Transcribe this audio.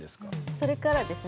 それからですね